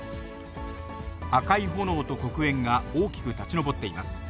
赤い炎と黒煙が大きく立ち上っています。